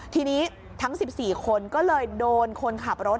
ทีนี้ทั้ง๑๔คนก็เลยโดนคนขับรถ